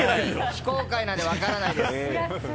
非公開なので分からないです。